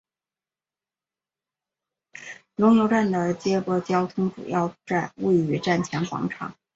龙游站的接驳交通主要位于站前广场。